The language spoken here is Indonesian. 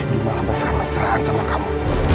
dia malah mesra mesraan sama kamu